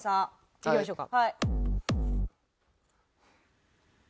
いきましょうか。